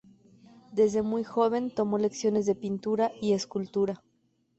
Desde muy joven tomó lecciones de pintura y escultura.